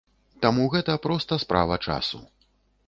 Таму гэта проста справа часу.